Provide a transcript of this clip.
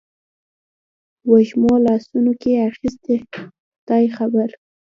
وږمو لاسونو کې اخیستي خدای خبر